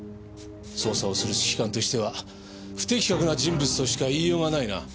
捜査をする指揮官としては不適格な人物としか言いようがないな。